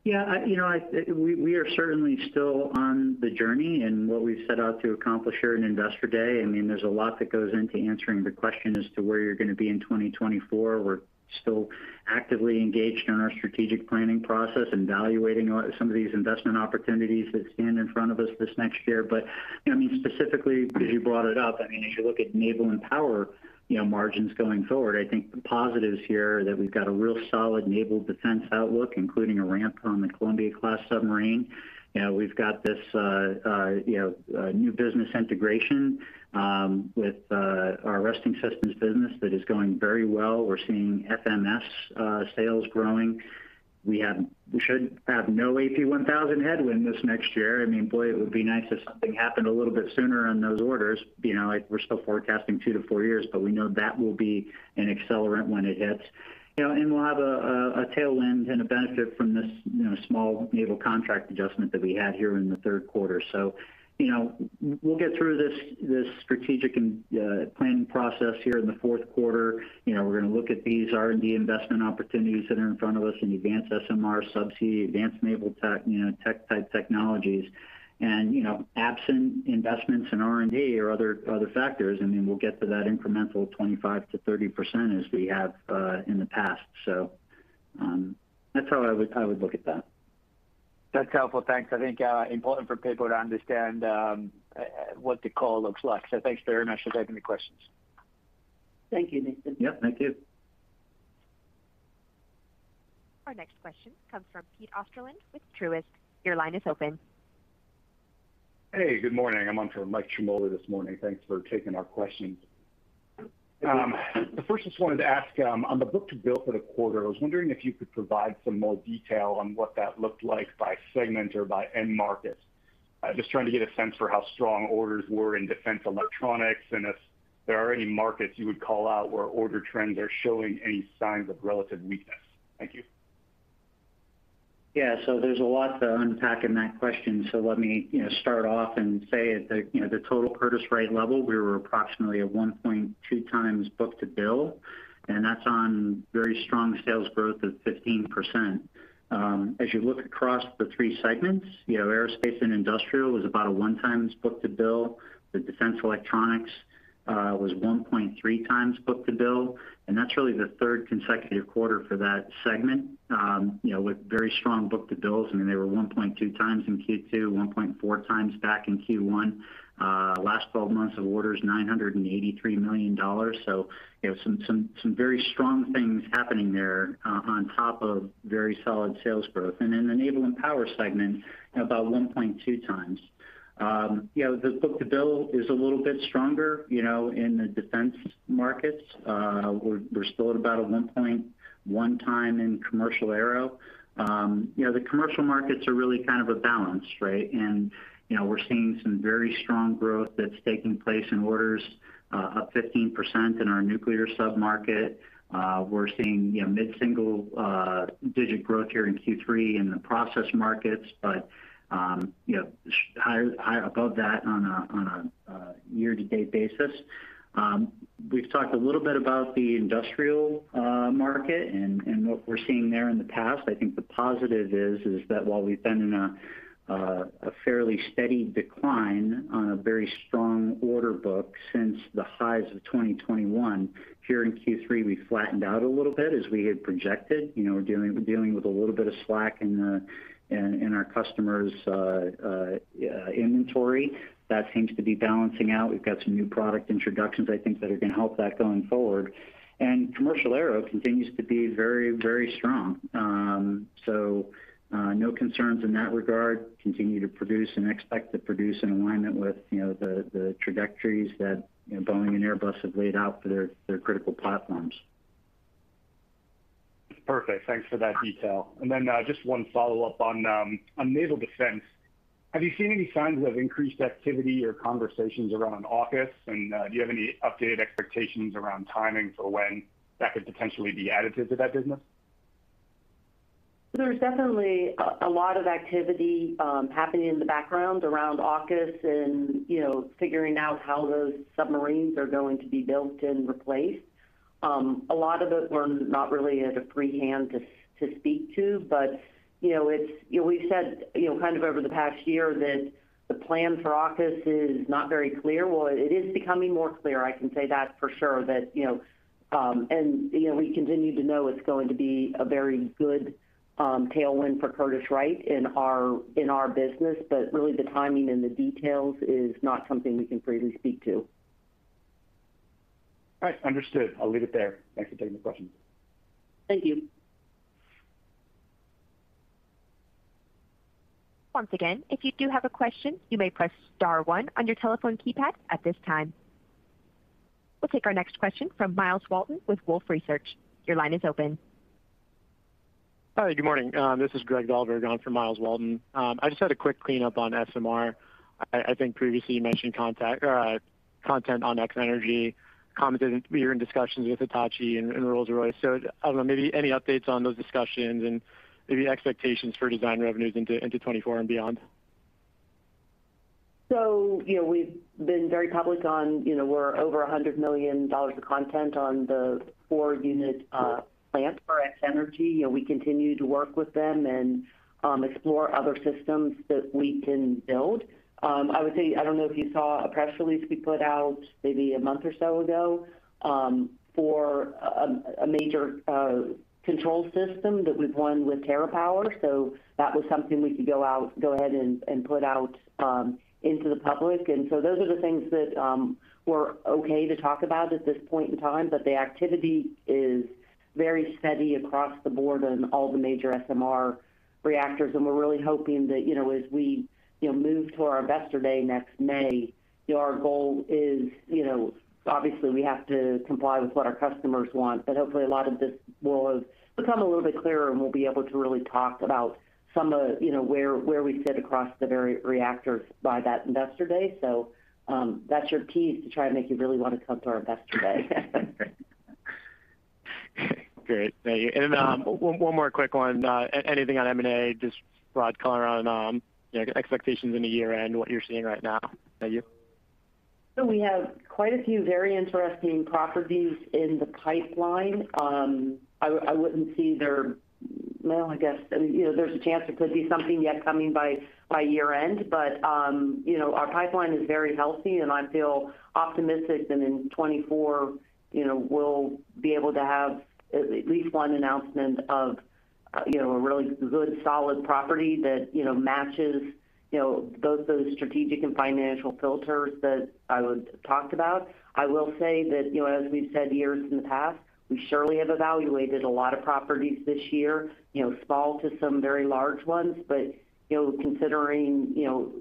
Yeah, you know, we are certainly still on the journey and what we've set out to accomplish here in Investor Day. I mean, there's a lot that goes into answering the question as to where you're going to be in 2024. We're still actively engaged in our strategic planning process and evaluating on some of these investment opportunities that stand in front of us this next year. But, I mean, specifically, because you brought it up, I mean, as you look at naval and power, you know, margins going forward, I think the positives here are that we've got a real solid naval defense outlook, including a ramp on the Columbia-class submarine. We've got this, you know, new business integration with our arresting systems business that is going very well. We're seeing FMS sales growing. We should have no AP1000 headwind this next year. I mean, boy, it would be nice if something happened a little bit sooner on those orders. You know, we're still forecasting 2-4 years, but we know that will be an accelerant when it hits. You know, and we'll have a tailwind and a benefit from this small naval contract adjustment that we had here in the third quarter. So, you know, we'll get through this strategic and planning process here in the fourth quarter. You know, we're going to look at these R&D investment opportunities that are in front of us in advanced SMR, subsea, advanced naval tech, tech-type technologies. You know, absent investments in R&D or other factors, I mean, we'll get to that incremental 25%-30% as we have in the past. So, that's how I would look at that.
That's helpful. Thanks. I think important for people to understand what the call looks like. So thanks very much for taking the questions.
Thank you, Nathan.
Yep. Thank you.
Our next question comes from Pete Osterland with Truist. Your line is open.
Hey, good morning. I'm on for Mike Ciarmoli this morning. Thanks for taking our questions. First, just wanted to ask, on the book-to-bill for the quarter, I was wondering if you could provide some more detail on what that looked like by segment or by end market. I'm just trying to get a sense for how strong orders were in Defense Electronics, and if there are any markets you would call out where order trends are showing any signs of relative weakness. Thank you.
Yeah, so there's a lot to unpack in that question. So let me, you know, start off and say at the, you know, the total Curtiss-Wright level, we were approximately at 1.2x book-to-bill, and that's on very strong sales growth of 15%. As you look across the three segments, you know, aerospace and industrial was about a 1x book-to-bill. The Defense Electronics was 1.3x book-to-bill, and that's really the third consecutive quarter for that segment, you know, with very strong book-to-bills. I mean, they were 1.2x in Q2, 1.4x back in Q1. Last twelve months of orders, $983 million. So some very strong things happening there on top of very solid sales growth. And in the naval and power segment, about 1.2 times. You know, the book-to-bill is a little bit stronger, you know, in the defense markets. We're still at about a 1.1 times in commercial aero. You know, the commercial markets are really kind of a balance, right? And, you know, we're seeing some very strong growth that's taking place in orders, up 15% in our nuclear submarket. We're seeing, you know, mid-single digit growth here in Q3 in the process markets, but, you know, high, high above that on a year-to-date basis. We've talked a little bit about the industrial market and what we're seeing there in the past. I think the positive is that while we've been in a fairly steady decline on a very strong order book since the highs of 2021, here in Q3, we flattened out a little bit as we had projected. You know, we're dealing with a little bit of slack in our customers' inventory. That seems to be balancing out. We've got some new product introductions, I think, that are going to help that going forward. Commercial aero continues to be very, very strong. No concerns in that regard, continue to produce and expect to produce in alignment with, you know, the trajectories that, you know, Boeing and Airbus have laid out for their critical platforms.
Perfect. Thanks for that detail. And then, just one follow-up on naval defense. Have you seen any signs of increased activity or conversations around AUKUS, and do you have any updated expectations around timing for when that could potentially be additive to that business?
There's definitely a lot of activity happening in the background around AUKUS and, you know, figuring out how those submarines are going to be built and replaced. A lot of it, we're not really at a free hand to speak to, but, you know, it's. We've said, you know, kind of over the past year that the plan for AUKUS is not very clear. Well, it is becoming more clear, I can say that for sure, that, you know, and, you know, we continue to know it's going to be a very good tailwind for Curtiss-Wright in our, in our business, but really, the timing and the details is not something we can freely speak to.
All right, understood. I'll leave it there. Thanks for taking the question.
Thank you.
Once again, if you do have a question, you may press star one on your telephone keypad at this time. We'll take our next question from Miles Walton with Wolfe Research. Your line is open.
Hi, good morning. This is Greg Dahlberg on for Miles Walton. I just had a quick cleanup on SMR. I think previously you mentioned contact, content on X-energy, commented that you're in discussions with Hitachi and Rolls-Royce. So I don't know, maybe any updates on those discussions and maybe expectations for design revenues into 2024 and beyond?
So, you know, we've been very public on, you know, we're over $100 million of content on the four-unit plant for X-energy. You know, we continue to work with them and explore other systems that we can build. I would say, I don't know if you saw a press release we put out maybe a month or so ago for a major control system that we've won with TerraPower. So that was something we could go out, go ahead and put out into the public. And so those are the things that we're okay to talk about at this point in time, but the activity is very steady across the board on all the major SMR reactors. And we're really hoping that, you know, as we, you know, move to our Investor Day next May, our goal is, you know, obviously, we have to comply with what our customers want, but hopefully, a lot of this will become a little bit clearer, and we'll be able to really talk about some of, you know, where we sit across the various reactors by that Investor Day. So, that's your tease to try to make you really want to come to our Investor Day.
Great. Thank you. And, one more quick one. Anything on M&A, just broad color on, you know, expectations in the year-end, what you're seeing right now? Thank you.
So we have quite a few very interesting properties in the pipeline. Well, I guess, you know, there's a chance there could be something yet coming by year-end, but, you know, our pipeline is very healthy, and I feel optimistic that in 2024, you know, we'll be able to have at least one announcement of, you know, a really good, solid property that, you know, matches, you know, both those strategic and financial filters that I would talk about. I will say that, you know, as we've said years in the past, we surely have evaluated a lot of properties this year, you know, small to some very large ones. But, you know, considering, you know-...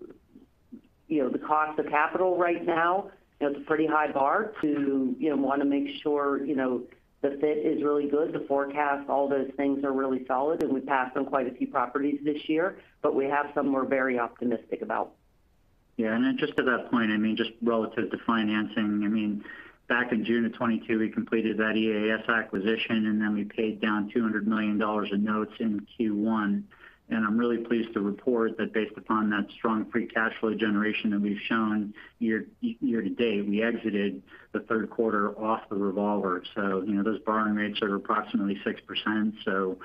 You know, the cost of capital right now, it's a pretty high bar to, you know, want to make sure, you know, the fit is really good, the forecast, all those things are really solid, and we passed on quite a few properties this year, but we have some we're very optimistic about.
Yeah, and then just to that point, I mean, just relative to financing, I mean, back in June of 2022, we completed that ESCO acquisition, and then we paid down $200 million in notes in Q1. And I'm really pleased to report that based upon that strong free cash flow generation that we've shown year to date, we exited the third quarter off the revolver. So you know, those borrowing rates are approximately 6%. So,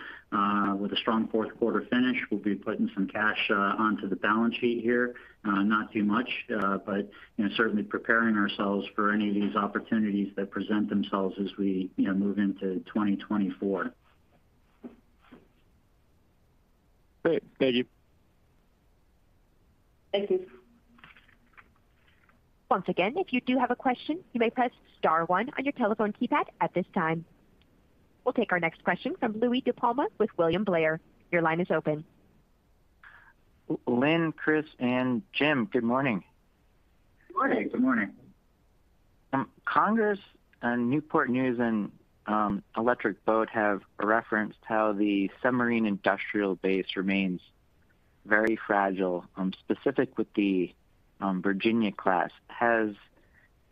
with a strong fourth quarter finish, we'll be putting some cash onto the balance sheet here. Not too much, but, you know, certainly preparing ourselves for any of these opportunities that present themselves as we, you know, move into 2024.
Great. Thank you.
Thank you.
Once again, if you do have a question, you may press star one on your telephone keypad at this time. We'll take our next question from Louie DiPalma with William Blair. Your line is open.
Lynn, Chris, and Jim, good morning.
Good morning.
Good morning.
Congress and Newport News and Electric Boat have referenced how the submarine industrial base remains very fragile, specific with the Virginia class. Has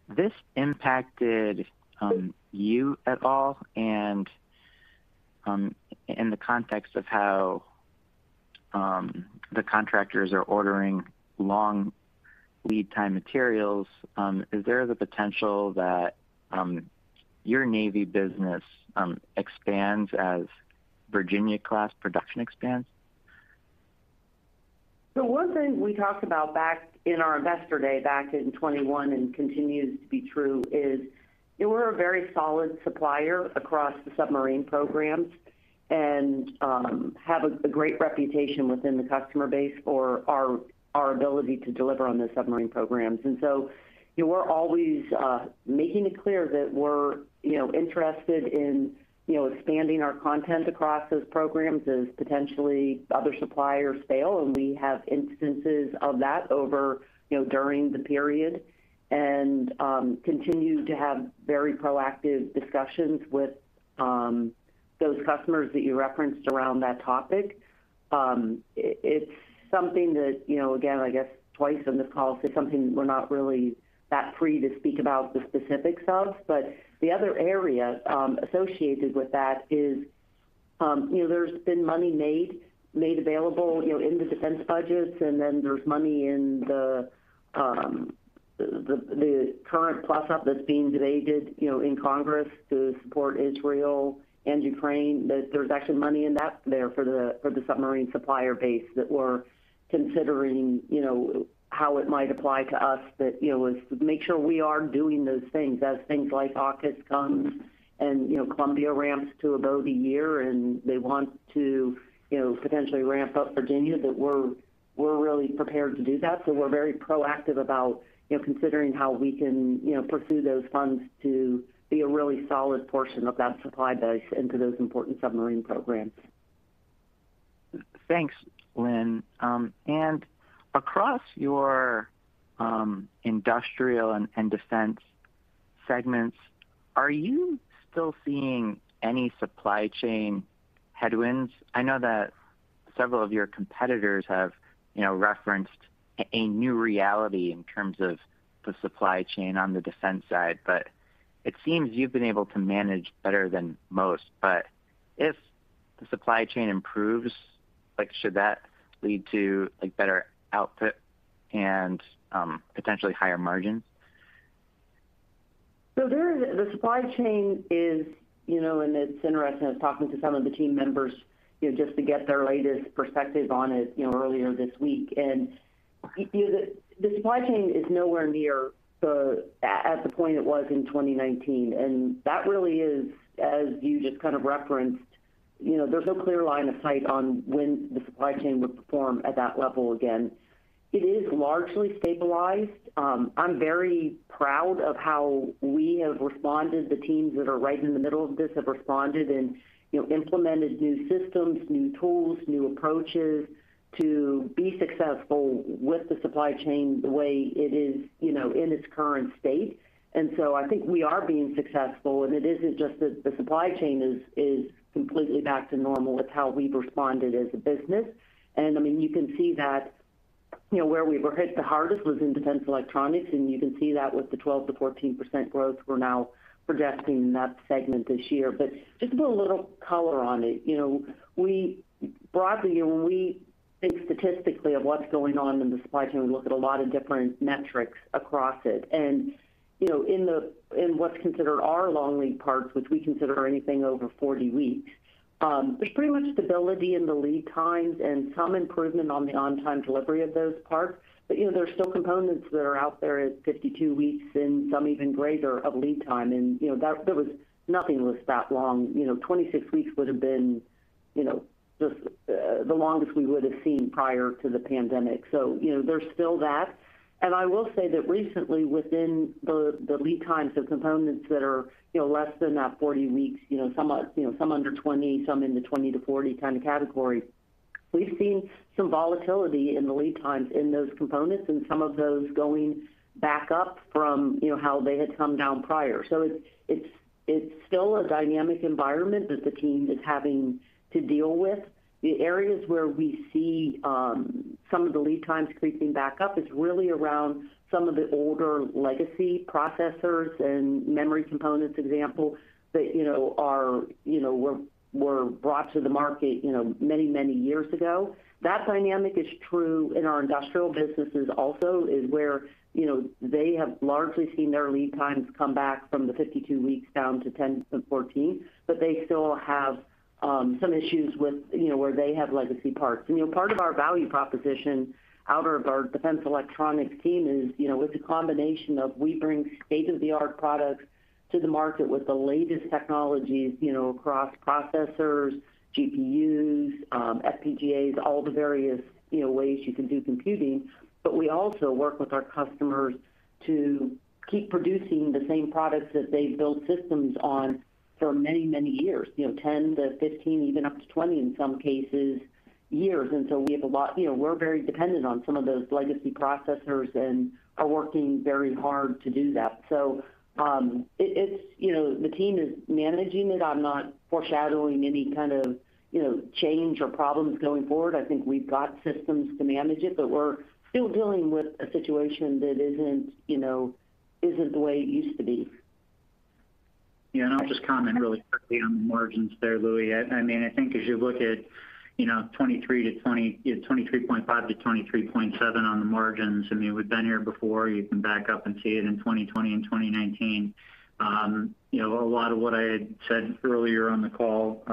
this impacted you at all? And in the context of how the contractors are ordering long lead time materials, is there the potential that your Navy business expands as Virginia class production expands?
So one thing we talked about back in our Investor Day, back in 2021, and continues to be true, is we're a very solid supplier across the submarine programs and have a great reputation within the customer base for our ability to deliver on the submarine programs. And so we're always making it clear that we're, you know, interested in, you know, expanding our content across those programs as potentially other suppliers fail. And we have instances of that over, you know, during the period, and continue to have very proactive discussions with those customers that you referenced around that topic. It's something that, you know, again, I guess twice on this call, it's something we're not really that free to speak about the specifics of, but the other area associated with that is, you know, there's been money made available, you know, in the defense budgets, and then there's money in the current plus-up that's being debated, you know, in Congress to support Israel and Ukraine, that there's actually money in that there for the submarine supplier base that we're considering, you know, how it might apply to us, that, you know, is to make sure we are doing those things as things like AUKUS comes and, you know, Columbia ramps to about a year, and they want to, you know, potentially ramp up Virginia, that we're really prepared to do that. We're very proactive about, you know, considering how we can, you know, pursue those funds to be a really solid portion of that supply base into those important submarine programs.
Thanks, Lynn. Across your industrial and defense segments, are you still seeing any supply chain headwinds? I know that several of your competitors have, you know, referenced a new reality in terms of the supply chain on the defense side, but it seems you've been able to manage better than most. But if the supply chain improves, like, should that lead to, like, better output and potentially higher margins?
So there is the supply chain is, you know, and it's interesting. I was talking to some of the team members, you know, just to get their latest perspective on it, you know, earlier this week. The supply chain is nowhere near the point it was in 2019, and that really is, as you just kind of referenced, you know, there's no clear line of sight on when the supply chain would perform at that level again. It is largely stabilized. I'm very proud of how we have responded. The teams that are right in the middle of this have responded and, you know, implemented new systems, new tools, new approaches to be successful with the supply chain the way it is, you know, in its current state. I think we are being successful, and it isn't just that the supply chain is completely back to normal. It's how we've responded as a business. I mean, you can see that, you know, where we were hit the hardest was in Defense Electronics, and you can see that with the 12%-14% growth we're now projecting in that segment this year. But just to put a little color on it, you know, we broadly, when we think statistically of what's going on in the supply chain, we look at a lot of different metrics across it. You know, in what's considered our long lead parts, which we consider anything over 40 weeks, there's pretty much stability in the lead times and some improvement on the on-time delivery of those parts. You know, there are still components that are out there at 52 weeks, and some even greater of lead time. And, you know, there was nothing was that long. You know, 26 weeks would have been, you know, just the longest we would have seen prior to the pandemic. So, you know, there's still that... And I will say that recently, within the lead times of components that are, you know, less than that 40 weeks, you know, some are, you know, some under 20, some in the 20 to 40 kind of category. We've seen some volatility in the lead times in those components, and some of those going back up from, you know, how they had come down prior. So it's still a dynamic environment that the team is having to deal with. The areas where we see some of the lead times creeping back up is really around some of the older legacy processors and memory components example that you know are you know were brought to the market you know many many years ago. That dynamic is true in our industrial businesses also, where you know they have largely seen their lead times come back from the 52 weeks down to 10-14. But they still have some issues with you know where they have legacy parts. And you know part of our value proposition out of our Defense Electronics team is you know it's a combination of we bring state-of-the-art products to the market with the latest technologies you know across processors, GPUs, FPGAs, all the various you know ways you can do computing. But we also work with our customers to keep producing the same products that they built systems on for many, many years, you know, 10-15, even up to 20, in some cases, years. And so we have a lot, you know, we're very dependent on some of those legacy processors and are working very hard to do that. So, it's, you know, the team is managing it. I'm not foreshadowing any kind of, you know, change or problems going forward. I think we've got systems to manage it, but we're still dealing with a situation that isn't, you know, the way it used to be.
Yeah, and I'll just comment really quickly on the margins there, Louis. I mean, I think as you look at, you know, 23.5%-23.7% on the margins, I mean, we've been here before. You can back up and see it in 2020 and 2019. You know, a lot of what I had said earlier on the call,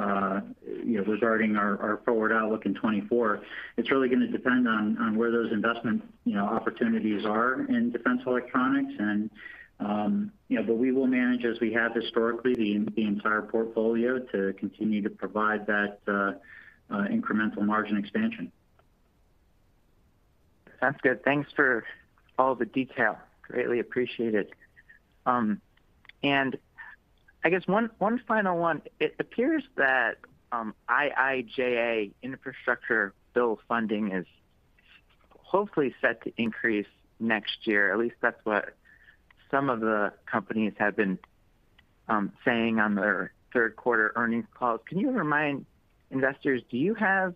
you know, regarding our forward outlook in 2024, it's really going to depend on where those investment, you know, opportunities are in Defense Electronics. And you know, but we will manage, as we have historically, the entire portfolio to continue to provide that incremental margin expansion.
That's good. Thanks for all the detail. Greatly appreciated. And I guess one final one: It appears that IIJA infrastructure bill funding is hopefully set to increase next year. At least that's what some of the companies have been saying on their third quarter earnings call. Can you remind investors, do you have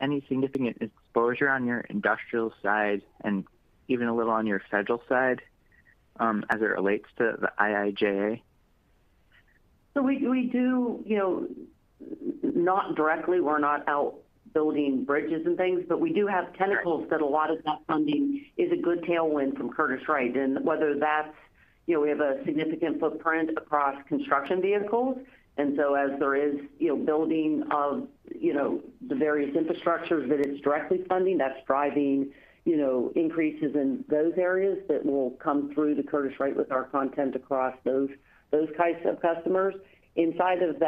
any significant exposure on your industrial side and even a little on your aero side, as it relates to the IIJA?
So we do, you know, not directly. We're not out building bridges and things, but we do have tentacles that a lot of that funding is a good tailwind from Curtiss-Wright. And whether that's, you know, we have a significant footprint across construction vehicles, and so as there is, you know, building of, you know, the various infrastructures that it's directly funding, that's driving, you know, increases in those areas that will come through to Curtiss-Wright with our content across those types of customers. Inside of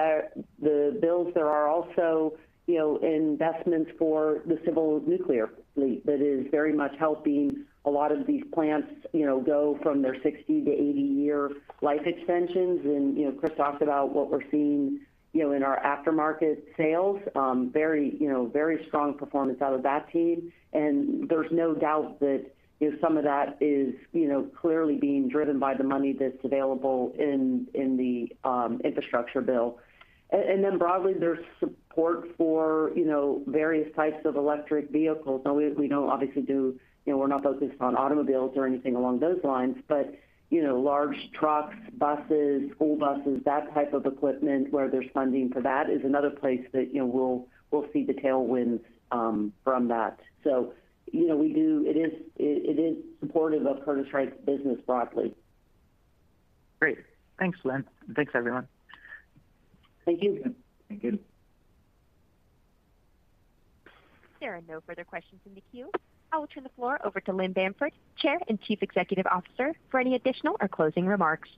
the bills, there are also, you know, investments for the civil nuclear fleet that is very much helping a lot of these plants, you know, go from their 60-80-year life extensions. And, you know, Chris talked about what we're seeing, you know, in our aftermarket sales. Very, you know, very strong performance out of that team. And there's no doubt that, you know, some of that is, you know, clearly being driven by the money that's available in the infrastructure bill. And then broadly, there's support for, you know, various types of electric vehicles. Now, we don't obviously do—you know, we're not focused on automobiles or anything along those lines, but, you know, large trucks, buses, school buses, that type of equipment where there's funding for that, is another place that, you know, we'll see the tailwinds from that. So, you know, we do... It is supportive of Curtiss-Wright's business broadly.
Great. Thanks, Lynn. Thanks, everyone.
Thank you.
Thank you.
There are no further questions in the queue. I will turn the floor over to Lynn Bamford, Chair and Chief Executive Officer, for any additional or closing remarks.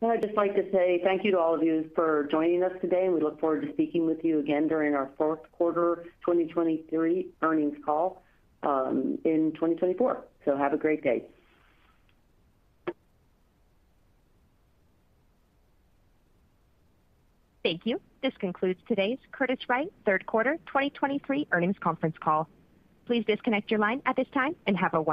Well, I'd just like to say thank you to all of you for joining us today, and we look forward to speaking with you again during our fourth quarter 2023 earnings call in 2024. So have a great day.
Thank you. This concludes today's Curtiss-Wright third quarter 2023 Earnings Conference Call. Please disconnect your line at this time, and have a wonderful day.